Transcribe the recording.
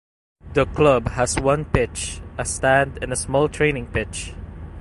The club has one pitch, a stand and a small training pitch.